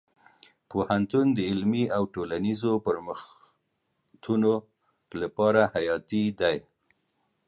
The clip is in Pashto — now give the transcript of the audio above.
پوهنتون د علمي او ټولنیزو پرمختګونو لپاره حیاتي دی.